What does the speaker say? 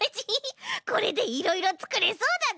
これでいろいろつくれそうだぞ！